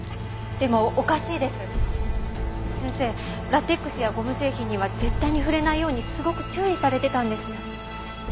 ラテックスやゴム製品には絶対に触れないようにすごく注意されてたんです。